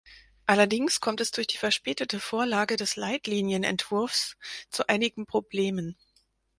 Allerdings kommt es durch die verspätete Vorlage des Leitlinienentwurfs zu einigen Problemen.